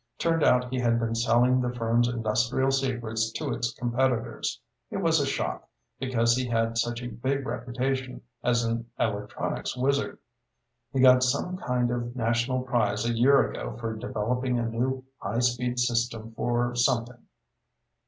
Turned out he had been selling the firm's industrial secrets to its competitors. It was a shock, because he had such a big reputation as an electronics wizard. He got some kind of national prize a year ago for developing a new high speed system for something.